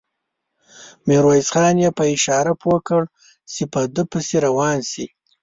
ميرويس خان يې په اشاره پوه کړ چې په ده پسې روان شي.